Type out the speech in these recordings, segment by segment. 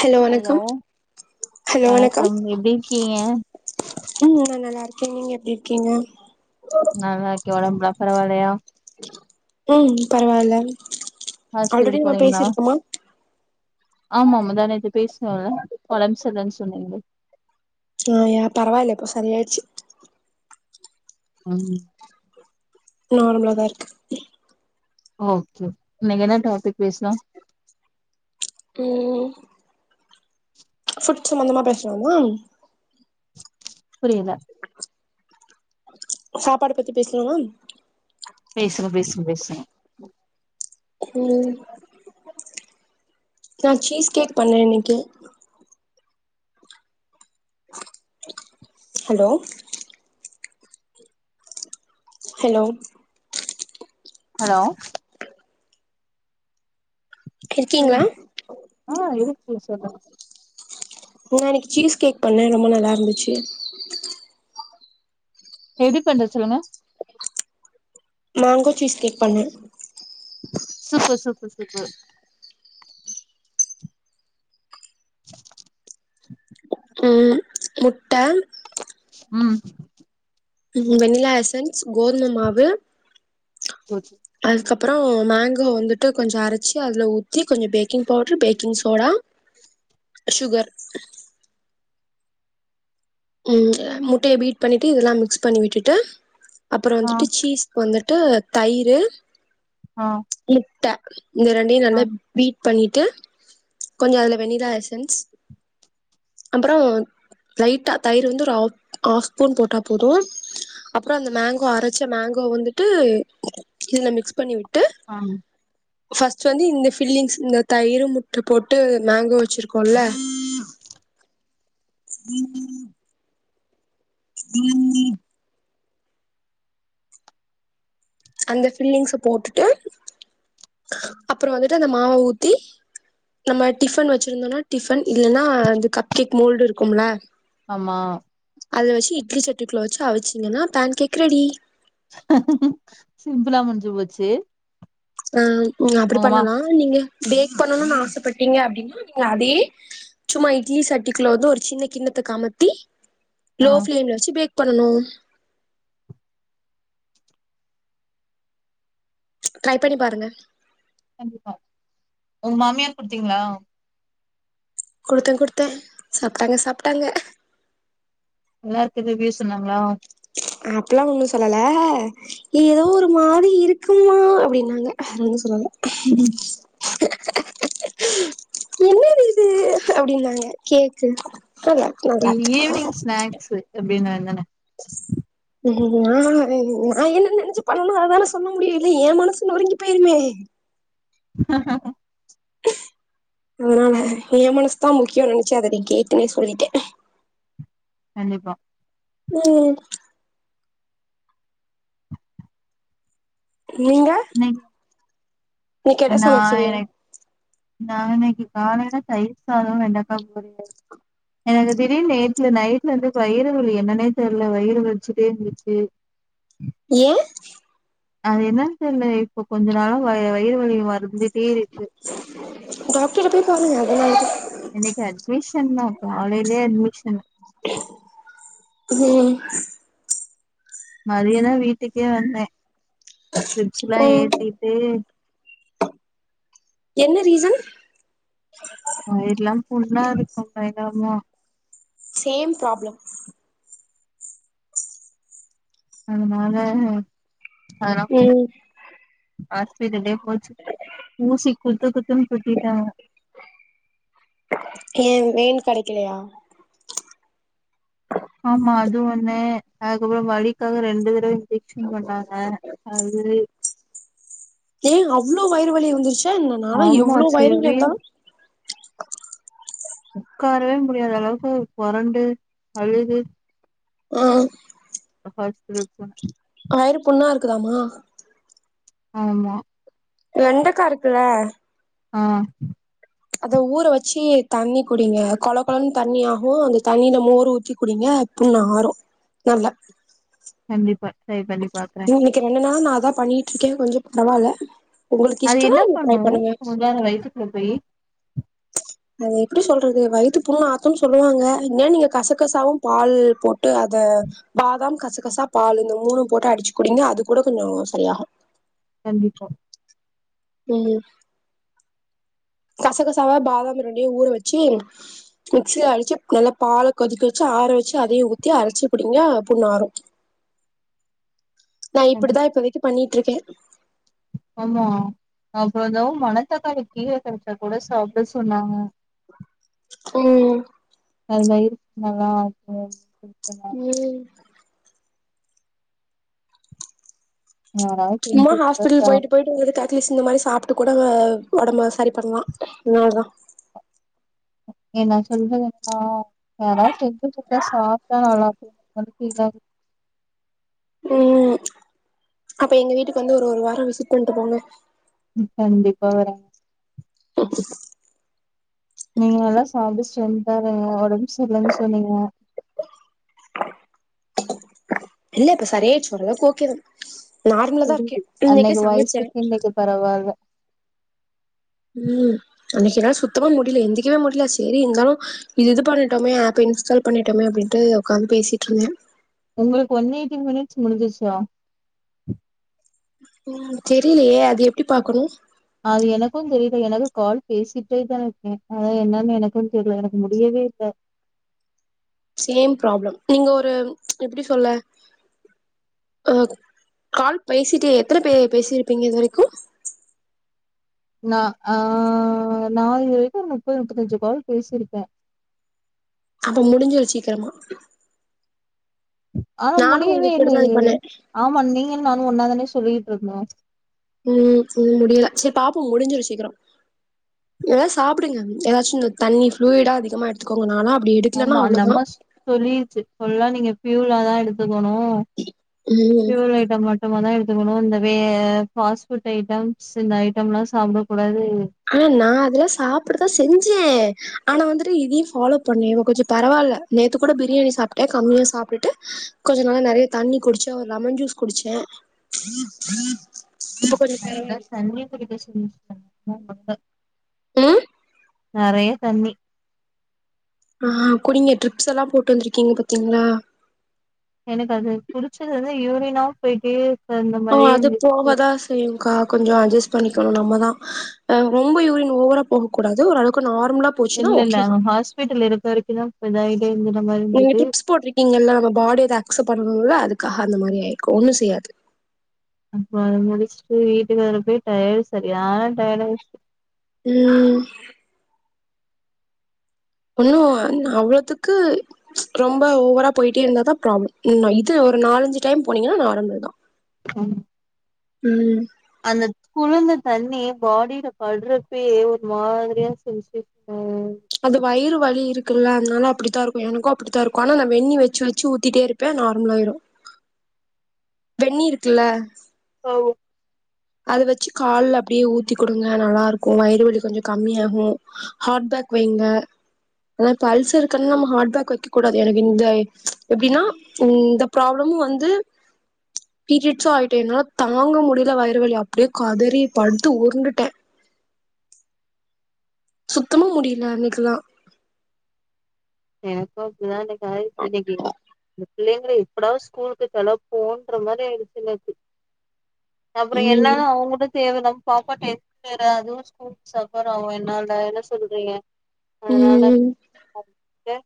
Hello வணக்கம் hello வணக்கம் எப்டி இருக்கீங்க ம் நா நல்லாருக் நீங்க எப்டி இருக்கீங்க நல்லாருக்க ஒடம்லம் பரவாலையா ம் பரவால ஆல்ரெடி ஹாஸ்பிட்டல் நா போனீங்களா பேசிருக்கமா ஆமா முந்தா நேத் பேசு சொல ஒடம் செர்லனு சொன்னிங்லே ஆ ஏ பரவா இல்ல இப்போ சரியாயிடுச்சி ம் நார்மலா தா இருக்கு ஓகே இன்னைக் என்ன டாபிக் பேசுலா ம் ஃபுட் சம்மந்தமா பேசுலாமா புரியல சாப்பாடு பத்தி பேசுலான் பேசுற பேசுற பேசுற ம் நா சீஸ் கேக் பண்ண இன்னைக்கு ஹலோ ஹலோ ஹலோ இருக்கீங்களா சொல்லுங்க ஆ இருக்கே சொல்லுங்க நா இன்னைக்கு சீஸ் கேக் பண்ண ரொம்ப நல்லா இருந்துச்சு எப்டி பண்றது சொல்லுங்க மேங்கோ சீஸ் கேக் பண்ண சூப்பர் சூப்பர் சூப்பர் ம் முட்ட ம் ம் வெண்ணிலா எஸ்சன் கோதுமமாவு ஓகே அதுக்கப் அப்றோ மேங்கோ வந்துட்டு கொஞ்ச அரைச்சு அதுல ஊத்தி கொஞ்ச baking powder baking soda sugar ம் த முட்டைய பீட் பண்ணிட்டு இதெல்லா மிக்ஸ் பண்ணி விட்டுட்டு அப்பறம் ஆ வந்துட்டு சீஸ் வந்துட் டு தயிரு ஆ முட்ட [unintelligible] இது ரெண்டையு ஆ நல்லா பீட் பண்ணிட்டு கொஞ்சோ அதுல வெணிலா எசன்ஸ் அப்புறோ லைட்டா தயிரு வந்து ஒரு ஆஃப் ஆஃப் ஸ்பூன் போட்டா போது அப்புறோ அந்த மேங்கோ அரைச்ச மேங்கோ வந்துட்டு இதுல மிக்ஸ் பண்ணி விட்டு ஆ ஃபஸ்ட் வந்து இந்த ஃபில்லிங்ஸ் இந்த தயிரு முட்டை போட்டு மேங்கோ வச்சிருக்கோல்ல [inaudible] [inaudible] அந்த ஃபில்லிங்ஸ போட்டுட்டு அப்புறோ வந்துட்டு அந்த மாவ ஊத்தி நம்ம டிஃபன் வச்சிருந்தோன்னா டிஃபன் இல்லன்னா அதுக்க கிக் மோல்டு இருக்கும்ல ஆமா அதுல வச்சு இட்லி சட்டி க்குள்ள வச்சு அவிச்சீங்கன்னா பேன் கேக் ரெடி சிம்பிளா முடிஞ்சு போச்சு ஆ நீங்க அப்படி உங்கமா பண்ணலா நீங்க பேக் பண்ணணுன்னு ஆசப்பட் டீங்க அப்டின்னா நீங்க அதே சும்மா இட்லி சட்டிக்குள்ள வந்து ஒரு சின்ன கிண்ணத்த கமத்தி ஆ லோ ஃப்ளேம்ல வெச்சு பேக் பண்ணணு ட்ரை பண்ணி பாருங்க கண்டிப்பா உங்க மாமியார்க்கு குடுத்தீங்களா குடுத்தே குடுத்தே சாப்ட்டாங்க சாப்ட்டாங்க நல்லா இருக்குது ரிவ்யூ சொன்னாங்களா அப்பல்லா ஒன்னு சொல்லல ஏதோ ஒரு மாரி இருக்கும்மா அப்பிடின்னாங்க வேற ஒன்னு சொல்லல உஹம் என்னது இது அப்டின்னாங்க கேக்கு நல்லா இருக்கு நல்லா ஈ ஈ இருக்கு ஈவினிங் ஸ்நாக்ஸு அப்டின்னா அதான நா ன் நா என்ன நெனைச்சு பண்ணனோ அததான சொல்ல முடியு இல்ல ஏன் மனசு நொறுங்கி போயிருமே ஹ்ஹ அதனால ஏன் மனசுதா முக்கியோன்னு நெனைச்சு அத அப்டி கேட்டவுன்னே சொல்லிட்டே கண்டிப்பா ம் நீங்க? இன்னைக்கு இன்னக்கி என்ன நா சமைச்சிங்க? எனக்கு நா இன்னக்கி காலைலதா தயிர் சாதோ வெண்டக்கா பொரியலு எனக்கு திடீர்னு நேத்ல நைட்ல இருந்து வயிறு வலி என்னன்னே தெர்ல வயிறு வலிச்சுட்டே இருந்துச்சு ஏ அது என்னன்னு தெரியல இப்ப கொஞ்ச நாளம் வ வயிறு வலியம் வருது வந்துட்டே இருக்கு சங்கதுது இன்னைக்கு அட்மிஷன் தா காலையிலயே அட்மிஷன் உஹம் மதியதான் வீட்டுக்கே வந்தே திச்சல்லா ம் ஏத்திட்டு என்ன ரீசன் ஹ் எல்லாம் பொண்ணா இருக்கும்ங்க என்னமா சேம் பிராப்ளம் அதனால ஆஹ் ம் அ இரு போச்சு ஊசி குத்து குத்துன் குத்திட்டாங்க ஏன் வேன் கிடைக்கலையா ஆமா அது ஒண்ணே அதுக்கப்றம் வழிக்காக ரெண்டு தடவை டேக்ஷன் பண்ணாங்க அது ஏன் அவ்ளோ வயிறு வலி வந்துருச்சு ச என்னனாளா ஆமா எவ்வளோ வயரங்கில சிவியர் இருந்தா [inaudible] உட்காரவே முடியாத அளவுக்கு புறண்டு அழுது உஹம் ஹஸ்த இருப்பாங்க வயிறு புண்ணா இருக்குதாமா ஆமா வெண்டக்கா இருக்குல ஆஹ் அத ஊற வச்சு தண்ணி குடிங்க கொழ கொழன்னு தண்ணி ஆகும் அந்த தண்ணில மோரு ஊத்தி குடிங்க புண்ணு ஆறும் நல்ல கண்டிப்பா ட்ரை பண்ணி பாக்குறே இன்னைக்கு என்னன்னா நான் அதான் பண்ணிட்டு இருக்கேன் கொஞ்சம் பரவால்ல உங்களுக்கு அது இஷ்டனா என்ன நீங்க ட்ரை பண்ணும் பண்ணுங்க உதான வயித்துக்குல போய் அது எப்படி சொல்றது வயித்து புண்ணு ஆத்துன்னு சொல்லுவாங்க ஏன் நீங்க கசக்கசாவும் பால் போட்டு அத பாதாம் கசகசா பால் இந்த மூணு போட்டு அடிச்சு குடிங்க அது கூட கொஞ்சம் சரியாகும் கண்டிப்பா கோங்க கசகசாவா பாதாம் ரெண்டையு ஊற வச்சு மிக்சில அரைச்சு நல்லா பால் கொதிக்க வச்சு ஆற வச்சு அதைய ஊத்தி அரைச்சு குடிங்க புண்ணு ஆரு நா கண்டி இப்படிதா இப்போதைக்கு பண்ணிட் ட்ருக்கே ஆமா அப்பறோ தோவ் மனத்தக்காளி கீர கிடச்சா கூட சாப்பிட சொன்னாங்க உ நயிரு நல்லா இரு போரு யாராவது சும்மா செஞ்சு ஹாஸ்பிடல் குடுத்தா போயிட்டு போயிட்டு வர்ரதுக்கு ட்லீஸ்ட் இந்த மாரி சாப்ட்டு கூட உடம்ப சரி பண்லா அதனாலதா என்ன சொல்றதுன்னா யாறா செஞ்சு குட்தா சாப்ட்டா நல்ளா [inaudible] உ அப்ப எங்க வீட்டுக்கு வந்து ஒரு ஒரு வாரோ விசிட் பண்ணிட்டு போங்க கண்டிப்பா வரே நீங்க நல்லா சாப்ட்டு ஸ்ட்ரென்த்தா இருங்க உடம்பு சரிலன்னு சொன்னீங்க இல்ல இப்ப சரியாச்சி ஓரளவுக்கு ஓக்கேதா புரியுது அன்னைக்கு வயசுக்கு இன்னைக்கு பரவாயில்ல உ அன்னைக்கு என்னால சுத்தமா முடியல எந்தக்கவே முடில சேரி இருந்தாலு இது இது பண்ணிட்டோமே ஆப் இன்ஸ்டால் பண்ணிட்டோமே அப்டின்ட்டு உக்காந்து பேசிட்டு இருந்தே உங்களுக்கு ஒன் எயிட்டி மினிட்ஸ் முடிஞ்சிச்சா உ தெரியலையே அது எப்டி பாக்கணும் அது எனக்கூ தெரியல எனக்கு கால் பேசிட்டே தான இருக்கே அதானல என்னன்னு எனக்கு தெரியல எனக்கு முடியவே இல்ல சேம் ப்ராப்ளம் நீங்க ஒரு எப்டி சொல்ல ஆ கால் பேசிட்ட எத்தன பே பேசிருப்பீங்க இது வரைக்கு நா அ நாதுவரைக்கு முப்பது முப்பத்தஞ்சு கால் பேசிருக்கே அப்ப முடிஞ்சிரு சீக்கிரமா ஆனா நானு உங்க முடியவே கூட தா இது இல்லயே பண்ணே ஆமா நீங்க நானு ஒன்னாதானே சொல்லிட்டு இருந்தோ உ உ முடியல சரி பாப்போ முடிஞ்சுரு சீக்ரோ ஏதாவ் சாப்பிடுங்க ஏதாச்சு இந்த தண்ணி ஃப்ளூயிடா அதிகமா எடுத்துக்கோங்க னாலா ஆமா நம்ம சொல்லிருச்சு சொல்லா நீங்க பியூல தா எடுத்து போணு ம் ஃபுயல் ஐட்டம் மட்டுமாதா இருக் இதுங்கனு இந்த வே ஃபாஸ்ட் ஃபுட் ஐட்டம்ஸ் இந்த ஐட்டம்லா சாப்பிட கூடாது ஆனா நா அதெல்லா சாப்பிடதா செஞ்சே ஆனா வந்துட்டு இதையு ஃபாலோ பண்ணே இப்ப கொஞ்சோ பரவாயில்ல நேத்து கூட பிரியாணி சாப்பிட்டே கம்மியா சாப்பிட்டுட்டு கொஞ்ச நாள நறையா தண்ணி குடிச்சே ஒரு லெமன் ஜூஸ் குடிச்சே இப்ப கொஞ்சோ அத்தா பரவால்ல தண்ணி குடிக்க [inaudible] [inaudible] உ நிறைய தன் ஆஹ் குடிங்க டரிப்ஸ் எல்லாம் போட்டு வந்திருக்கீங்க பாத்தீங்களா எனக்கு அது புடிச்சது வந்து யூரினாவும் போயிட்டு ஆஹ அது போகாதான் செய்யும்்கா கொஞ்சம் அட்ஜஸ்ட் பண்ணி ம் நம்ம தான் ரொம்ப யூரின் ஓவர போகக்கூடாது ஒரு அவுக்கு இல்ல இல்ல ஹாஸ்பிட்டல் இருக்க வரைக்குதா அத நீங்க டிப்ஸ் போட்டிருக்கீங்கல்ல நம்ம பாடிக்ச்ட் பண்ணணும் அதுக்கு க்கஹா அந்த மாதிரி ஆயிருக்கும் ஒன்னும் செய்யாது அப்புறம் அதை முடிச்சுட்டு வீட்டுக்கு வர போய் டயர்ட சரி ஆனாம் டயர்ட் ஆயிடுச்சு உம் ஒண்ணும் அவ்ளவுதுக்கு ரொம்ப ஓவரா போயிட்டே இருந்தாதான் ப்ராப்ளம் இது ஒரு நாலஞ்சு டைம் போனீங்கன்னா நார்மல் தான் உம் உம் அந்த குளுந்த தண்ணி பாடியில படுறப்பே ஒரு மாதிரியா செஞ்சிசு உம் அது வயிறு வழி இருக்கு இல்ல அதனால அப்படித்தான் இருக்கும் எனக்கும் அப்படித்தான் இருக்கும் ஆனா நான் வென்னி வச்சு வச்சு ஊத்திட்டே இருப்பேன் நார்மலயிரும் வெந்ன்னி இருக்குல்ல ஆ அத வச்சு கால் அப்படியே ஊத்தி கொடுங்க நல்லா இருக்கும் வயிறு வலி கொஞ்சம் கம்மியாகும் ஹபக் வைங்க வைக்கூட எப்பனாம் வ ப தாங்க முடிய வழி அப்படியே கதறி படுத்து உருண்டுட்டேன் சுத்தமா முடியல அன்னைக்கலாம் எனக்கும் இப்படிதான் என்னைக்குச்சு இன்னைக்கு இல்லைங்க எப்படாவ ஸ்கூலுக்கு கலைப்போன்ற மாதிரி ஆயிடுச்சுன்னக்கு அப்புறம் ம் என்னன்ன அவங்களட சேவனம் பாப்பா எவே அதுவும் ஸ்கூல் சப்பர் ஆகும் என்னடா என்ன சொல்றீங்க அதனால ஏ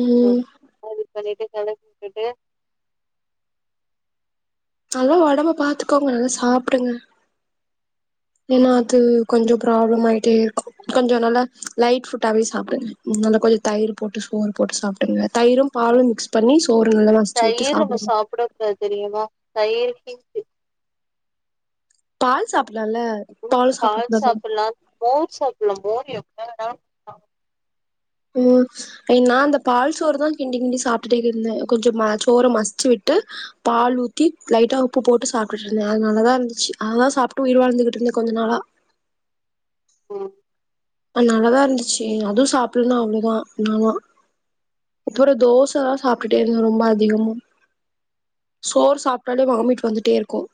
உம் பண்ணிட்டு கடைக்கு பேயிட்டு நல்லா உடம்பு பாத்துக்கோங்க நல்லா சாப்பிடுங்க ஏன்னா அது கொஞ்சம் ப்ராப்ளம் ஆயிட்டே இரு கொஞ்சம் நல்லா லைட் ஃபுட்டாவவே சாப்பிடுங்க நல்லா கொஞ்சம் தயிர் போட்டு சோறு போட்டு சாப்பிடுங்க தயிரும் பாலும் மிக்ஸ் பண்ணி சோறு நல்ல வசிச்சு விட்டு சாப்பிடுங்க தயிர்ஹட் பால் சப்ப உம் பால் சாப்பிடலாம் மோர் சாப்பிடலாம் மோரிய ஆஹ்ஹ உஹம் ஏன்னா அந்த பால் சோறு தான் கிண்டி கிண்டி சாப்பிட்டுட்டே இரு இருந்தேன் கொஞ்சம் ம சோறை மசச்சு விட்டு பால் ஊத்தி லைட்டா உப்பு போட்டு சாப்பிட்டுட்டு இருந்தேன் அது நல்லதா இருந்துச்சு அததுதான் சாப்பிட்டு உயிர் வாழ்ந்துகிட்டு இருந்தேன் கொஞ்ச நாளா உம் நல்லதா இருந்துச்சு அதுவும் சாப்பிடணும்ன்னா அவ்வளவுதான் என்னாலான் இப்போற தோசைதான் சாப்பிட்டுட்டே இருந்தோ ரொம்ப அதிகம சோறு சாப்பிட்டாலே வாமிட்டு வந்துட்டே இருக்கும்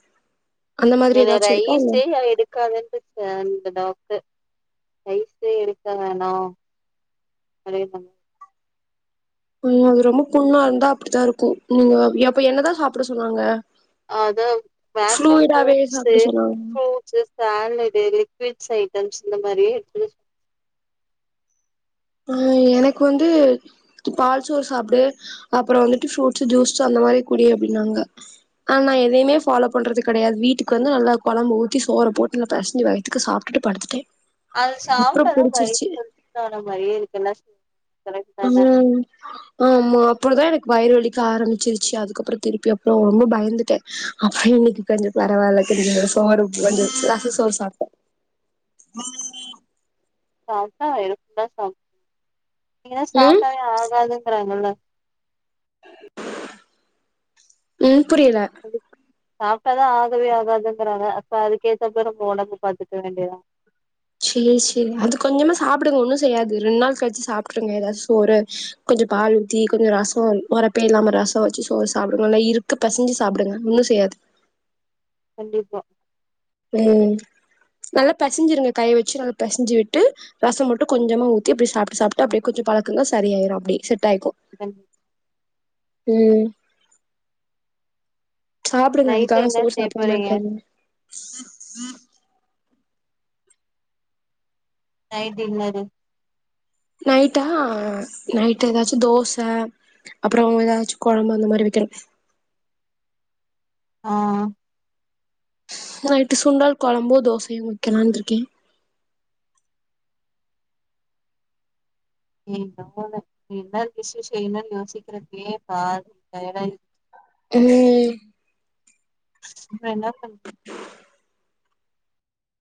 என்ன ரைஸ்ஸே எடுக்காதனு சொல்லி இருக்கங்த டாக்டர் வயச எக்கங்கணா நைய உஹம் அது ரொம்ப புண்ணா இருந்தா அப்படித்தான் இருக்கும் நீங்க அப்ப என்னதான் சாப்பிட சொன்னாங்க அது மேட்சஸ் ஆ ஃப்ளூயிடாவே ஃரூட்ஸ் சாப்ட சொன்னாங்க ஃட்ஸ் சண்ட இடு க்விட்ஸ் இந்த மாதிரி அஹ் எனக்கு வந்து பால் சோறு சாப்பிடு அப்புறம் வந்துட்டு ஃப்ரூட்ஸ் ஜூஸ் அந்த மாதிரி குடி அப்படின்னாங்க ஆன் ந எதையுேஃபாலோ பண்றது கிடையாது வீட்டுக்கு வந்து நல்லா குழம்பு ஊத்தி சோறை போட்டு நல்லா தரிசஞ்சு வயத்துக்கு சாப்பிட்டுட்டு படுத்துட்டேன் அது சாப்பிட்டதான் மதிர கொச்சதான மாதிரியே இருக்கு என்னா ச உஹம் ஆமா அப்புறதான் எனக்கு வயிறு வலிக்க ஆரம்பிச்சிருச்சு அதுக்கப்புறம் திருப்பி அப்புறம் ரொம்ப பயந்துட்டேன் அப்பற இன்னைக்கு கொஞ்சம் பரவாயில்ல கடை சோறு கொஞ்சம் ச சோறு சாப்பிட்டேன் சாப்பிட்டா இருக்கும் தான் சாப்பிட்ட நீ ம் சாப்பிட்டாவே ஆகாதுங்கறாங்கல்ல உம் புரியல சாப்பிட்டாதான் ஆகவே ஆகாதுங்கறாங்க அப்ப அதுக்கேத்தப்ப ரொம்ப உடம்பு பாத்துக்க வேண்டிதா சரி சரி அது கொஞ்சமா சாப்பிடுங்க ஒன்னும் செய்யாது ரெண்டு நாள் கழிச்சு சாப்பிட்டுருங்க ஏதாச்சும் சோறு கொஞ்சம் பால் ஊத்தி கொஞ்சம் ரசம் ஒரப்பே இல்லாம ரசம் வச்சு சோறு சாப்பிடுங்க நல்லா இறுத்துபிசைஞ்சு சாப்பிடுங்க ஒன்னும் செய்யாது கண்டிப்பா உஹம் நல்லா பிசைஞ்சிருங்க கையை வச்சு நல்லா பெசஞ்சு விட்டு ரசம் போட்டு கொஞ்சமா ஊத்தி அப்படி சாப்பிட்டு சாப்பிட்டு அப்படியே கொஞ்சம் பழக்குகாள் சரிய ஆயிடும் அப்படி செட் ஆயக்கும் ஆஹம் உம் சாப்பிடுங்க நைட் அதுக்காக என்ன சோறு செய்ய சாப்பிடாம போறீங்க இருக்கதிங்க என்னது நைட்டா நைட் ஏதாச்சும் தோசை அப்புறம் ஏதாச்சுகுழம்பு அந்த மாதிரி வைக்கணும் ஆஹ் நைட்டு சுண்டால் குழம்பு தோசையும் உத்தாலாம் இருக்கேன் என் ந என்ன விசஷ என்ன யோசிக்கிறப்பே பாதி வேலை உம் வேன பான்ரது